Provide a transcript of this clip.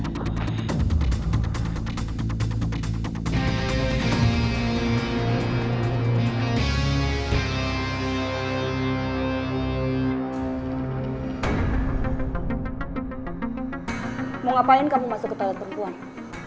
mau ngapain kamu masuk ke toilet perempuan